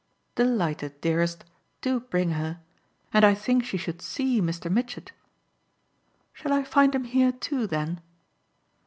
"Delighted, dearest; do bring her. And I think she should SEE Mr. Mitchett." "Shall I find him here too then?"